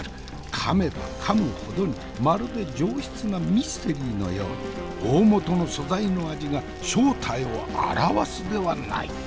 かめばかむほどにまるで上質なミステリーのように大本の素材の味が正体を現すではないか。